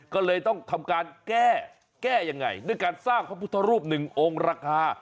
ก็เลยต้องทำการแก้แก้ยังไงด้วยการสร้างพระพุทธรูปหนึ่งองค์ราคา